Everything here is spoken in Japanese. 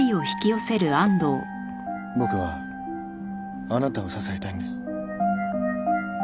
僕はあなたを支えたいんです。